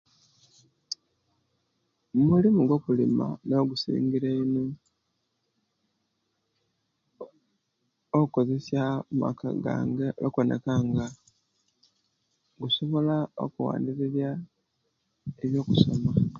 Omulimu gwo okulima nigwo ogusingire eino okozesia amaka gange okuboneka nga gusobola okuwamiriria ebyokusoma